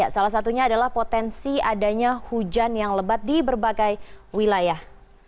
salah satunya adalah potensi adanya hujan yang lebat di berbagai wilayah